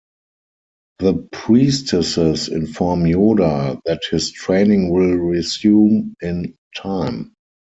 The priestesses inform Yoda that his training will resume in time.